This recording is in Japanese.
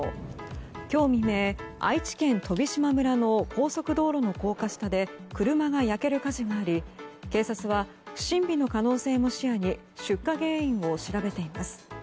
今日未明、愛知県飛島村の高速道路の高架下で車が焼ける火事があり警察は不審火の可能性も視野に出火原因を調べています。